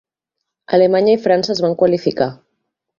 Alemanya i França es van qualificar.